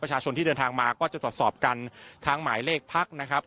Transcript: ประชาชนที่เดินทางมาก็จะตรวจสอบกันทั้งหมายเลขพักนะครับ